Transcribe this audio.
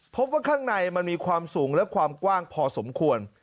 พบว่าข้างในมันมีความสูงและความกว้างพอสมควร